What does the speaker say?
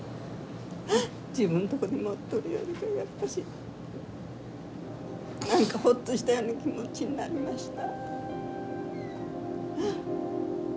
自分とこに持っとるよりかやっぱし何かホッとしたような気持ちになりました。